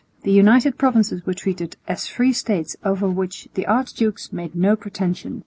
The United Provinces were treated "as free States over which the archdukes made no pretensions."